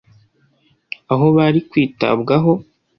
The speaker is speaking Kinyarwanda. aho bari kwitabwaho